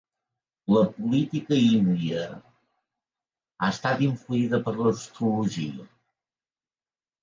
La política d'Índia ha estat influïda per l'astrologia.